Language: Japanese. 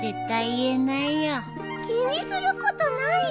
気にすることないよ。